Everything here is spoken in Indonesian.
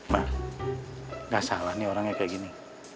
ma nggak salah nih orangnya kayak gini